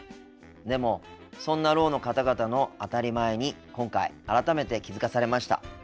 でもそんなろうの方々の当たり前に今回改めて気付かされました。